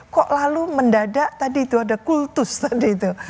kok lalu mendadak tadi itu ada kultus tadi itu